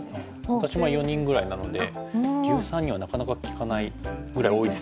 私も４人ぐらいなので１３人はなかなか聞かないぐらい多いですよね。